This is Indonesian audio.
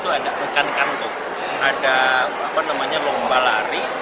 untuk mempermalukan bupati